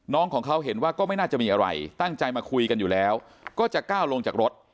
น้องของเขาเห็นว่าก็ไม่น่าจะมีอะไรตั้งใจมาคุยกันอยู่แล้วก็จะก้าวลงจากรถ